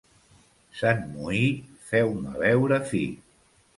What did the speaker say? Sant Moí, feu-me veure fi.